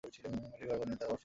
মাটির ঘর বানিয়ে তারা বাস করত।